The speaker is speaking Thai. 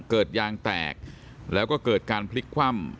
เกิดยางแตกแล้วก็เกิดการพลิกคว่ำ